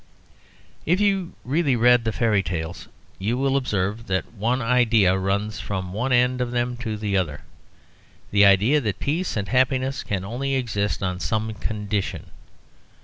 If you really read the fairy tales, you will observe that one idea runs from one end of them to the other the idea that peace and happiness can only exist on some condition.